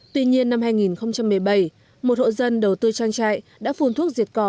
tuy nhiên năm hai nghìn một mươi bảy một hộ dân đầu tư trang trại đã phun thuốc diệt cỏ